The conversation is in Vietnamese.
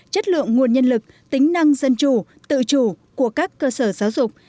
chất lượng nguồn nhân lực tính năng dân chủ tự chủ của các cơ sở giáo dục